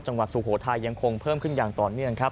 สุโขทัยยังคงเพิ่มขึ้นอย่างต่อเนื่องครับ